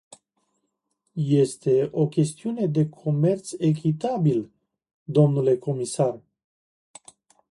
Este o chestiune de comerț echitabil, domnule comisar.